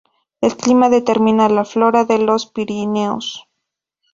El clima determina la flora de los Pirineos.